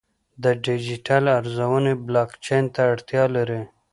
د ډیجیټل ارزونه بلاکچین ته اړتیا لري.